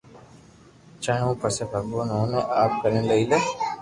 چاھي ھون پسي ڀگوان اوني آپ ڪني ليئي لي